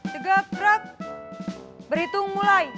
tegap gerak berhitung mulai